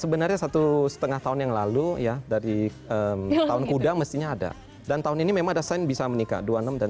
sebenarnya satu setengah tahun yang lalu ya dari tahun kuda mestinya ada dan tahun ini memang ada sign bisa menikah dua puluh enam dan tiga puluh enam sampai tiga puluh enam